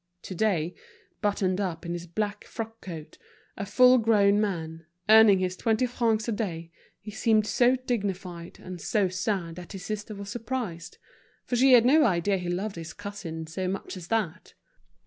Today, buttoned up in his black frock coat, a full grown man, earning his twenty francs a day, he seemed so dignified and so sad that his sister was surprised, for she had no idea he loved his cousin so much as that.